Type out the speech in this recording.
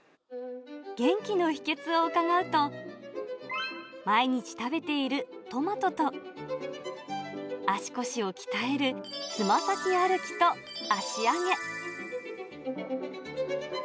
元気の秘けつを伺うと、毎日食べているトマトと、足腰を鍛えるつま先歩きと足上げ。